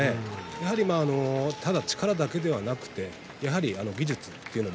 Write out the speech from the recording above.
やはり力だけではなくて技術というもの